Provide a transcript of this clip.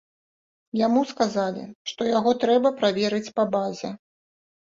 Яму сказалі, што яго трэба праверыць па базе.